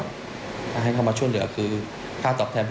ใครตลอดมาติดเสริม